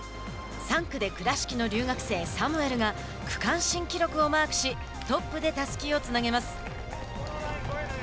３区で倉敷の留学生サムエルが区間新記録をマークしトップでたすきをつなぎます。